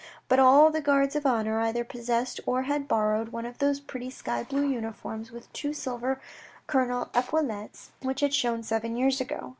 But all the guards of honour, either possessed or had borrowed, one of those pretty sky blue uniforms, with two silver colonel epaulettes, which had shone seven years ago.